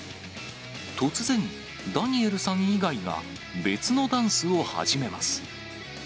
突然、ダニエルさん以外が、別のダンスを始めます。